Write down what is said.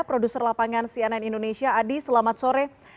produser lapangan cnn indonesia adi selamat sore